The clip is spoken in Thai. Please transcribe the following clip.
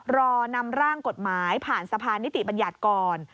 รอนำร่างกฎหมายผ่านสะพานนิติบัญญัติก่อน